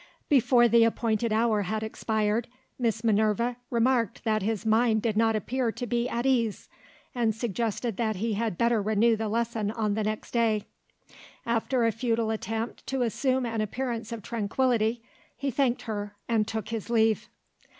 Before the appointed hour had expired, Miss Minerva remarked that his mind did not appear to be at ease, and suggested that he had better renew the lesson on the next day. After a futile attempt to assume an appearance of tranquillity he thanked her and took his leave.